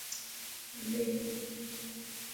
Hungarian